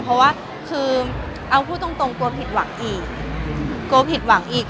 เพราะว่าคือเอาพูดตรงกลัวผิดหวังอีก